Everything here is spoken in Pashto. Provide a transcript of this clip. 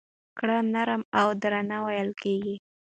ګړه نرمه او درنه وېل کېږي.